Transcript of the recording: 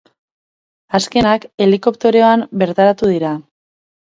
Azkenak helikopteroan bertaratu dira.